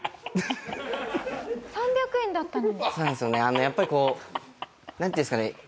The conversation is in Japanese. あのやっぱりこうなんていうんですかね